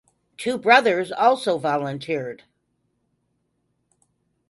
Two brothers also volunteered.